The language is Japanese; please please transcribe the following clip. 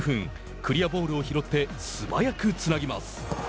クリアボールを拾って素早くつなぎます。